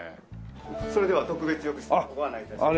それでは特別浴室にご案内致します。